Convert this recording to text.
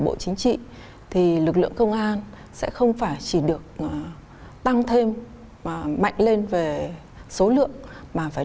bộ chính trị thì lực lượng công an sẽ không phải chỉ được tăng thêm mạnh lên về số lượng mà phải